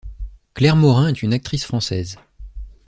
Claire Morin est une actrice française.